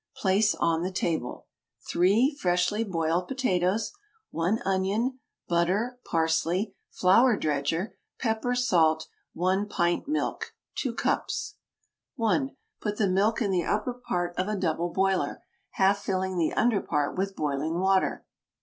Place on the table: 3 freshly boiled potatoes 1 onion butter parsley flour dredger pepper salt 1 pint milk (2 cups) 1. Put the milk in the upper part of a double boiler, half filling the under part with boiling water.